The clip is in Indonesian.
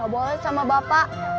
gak boleh sama bapak